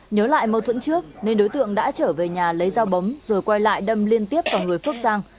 nhớ lại mâu thuẫn trước nên đối tượng đã trở về nhà lấy dao bấm rồi quay lại đâm liên tiếp vào người phước sang